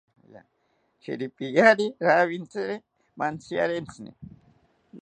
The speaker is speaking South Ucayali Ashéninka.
Shiripiari rawintziri mantziarentsini